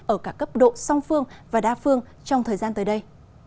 ở cả cấp độ song phương và đa phương trong thời gian tới đây